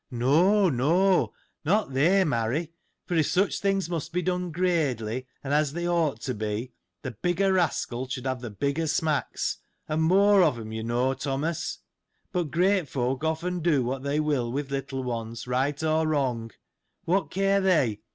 — No, no : not they, marry : for, if such things must be done gradely, and as they ought to be, the bigger rascal should have the bigger smacks, and more of them, you know, Thomas. But great folk often do what they will with little ones, right or wrong : What care they